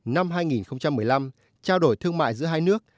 năm hai nghìn một mươi năm trao đổi thương mại giữa hai nước